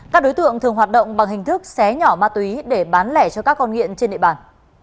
các đối tượng thường hoạt động bằng hình thức xé nhỏ ma túy để bán lẻ cho các con nghiện trên địa bàn